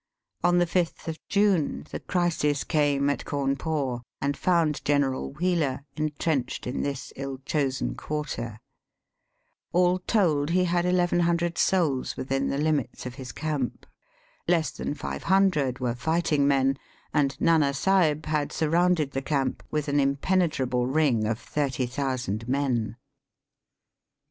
On the 6th of June the crisis came at Cawnpore, and found General Wheeler entrenched in this ill chosen quarter. All told, he had 1100 souls within the Hmits of his camp. Less than 500 were fighting men, and Nana Sahib had sm rounded the camp with an impenetrable ring of 30,000 men.